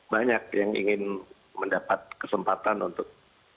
banyak yang ingin mendapat kesempatan untuk